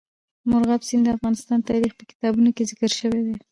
مورغاب سیند د افغان تاریخ په کتابونو کې ذکر شوی دي.